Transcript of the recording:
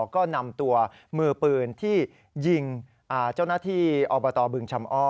ก็นำตัวมือปืนที่ยิงเจ้าหน้าที่อบตบึงชำอ้อ